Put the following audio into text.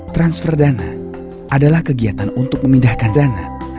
transfer dana adalah kegiatan untuk memindahkan dana